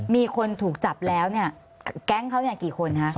มีคนผู้ถูกจับแก๊งครับกี่คนค่ะ